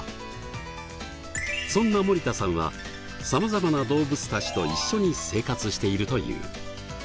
そんな森田さんは様々な動物たちと一緒に生活しているという。